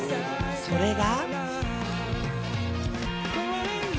それが。